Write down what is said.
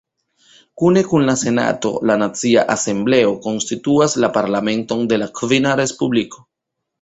Kune kun la Senato, la Nacia Asembleo konstituas la Parlamenton de la Kvina Respubliko.